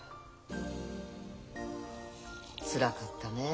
つらかったねえ